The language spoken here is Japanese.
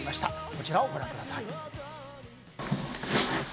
こちらをご覧ください。